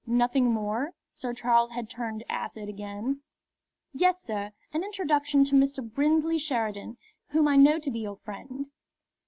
Nothing more?" Sir Charles had turned acid again. "Yes, sir; an introduction to Mr. Brinsley Sheridan, whom I know to be your friend."